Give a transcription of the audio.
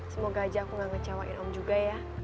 semoga aja aku gak ngecewain om juga ya